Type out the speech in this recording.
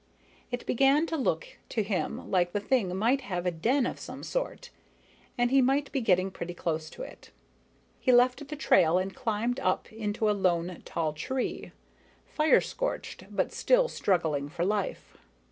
It began to look to him like the thing might have a den of some sort, and he might be getting pretty close to it. He left the trail and climbed up into a lone tall tree, fire scorched but still struggling for life.